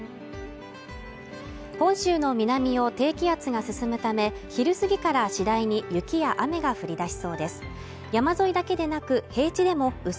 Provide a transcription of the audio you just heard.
本州の南を低気圧が進むため昼過ぎから次第に雪や雨が降り出しそうです